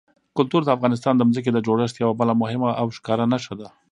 کلتور د افغانستان د ځمکې د جوړښت یوه بله مهمه او ښکاره نښه ده.